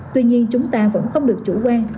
tuy nhiên chúng ta vẫn không được chủ quan